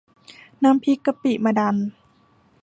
น้ำพริกกะปิมะดัน